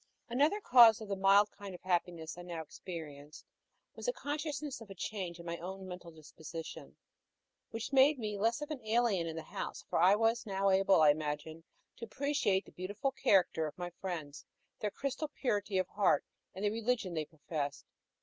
Another cause of the mild kind of happiness I now experienced was the consciousness of a change in my own mental disposition, which made me less of an alien in the house; for I was now able, I imagined, to appreciate the beautiful character of my friends, their crystal purity of heart and the religion they professed.